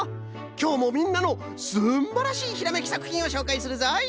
きょうもみんなのすんばらしいひらめきさくひんをしょうかいするぞい。